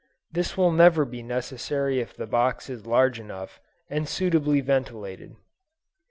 This will never be necessary if the box is large enough, and suitably ventilated.